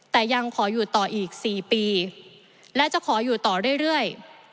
แต่ยังขออยู่ต่ออีก๔ปีและจะขออยู่ต่อเรื่อย